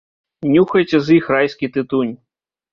Нюхайце з іх райскі тытунь!